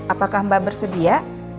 apakah mbak bersedia